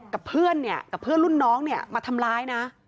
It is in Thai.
กับเพื่อนเนี่ยกับเพื่อนรุ่นน้องเนี่ยมาทำร้ายนะ